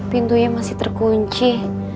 pintunya masih terkunci